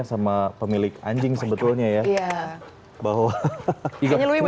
dia kalau lihat anjing lain main dia juga pengen